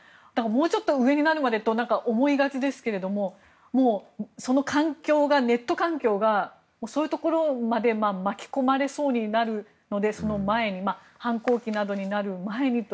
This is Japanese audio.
もうちょっと上になるまでと思いがちですけどもう、そのネット環境がそういうところまで巻き込まれそうになるのでその前に、反抗期などになる前にと。